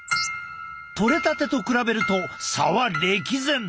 とれたてと比べると差は歴然。